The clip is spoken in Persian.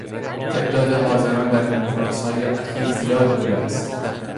تعداد حاضران در کنفرانسهای اخیر زیاد بوده است.